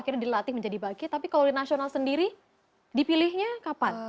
akhirnya dilatih menjadi baki tapi kalau di nasional sendiri dipilihnya kapan